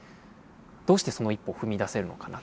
どうしてその一歩を踏み出せるのかなと。